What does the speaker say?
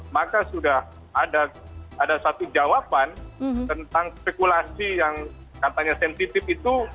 maka sudah ada satu jawaban tentang spekulasi yang katanya sensitif itu